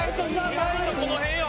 意外とこの辺よ。